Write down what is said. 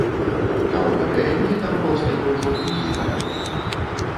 А ў гэтыя дні там паўстае ўжо другі па ліку.